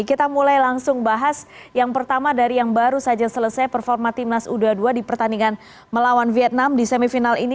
kita mulai langsung bahas yang pertama dari yang baru saja selesai performa timnas u dua puluh dua di pertandingan melawan vietnam di semifinal ini